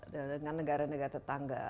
dengan negara negara tetangga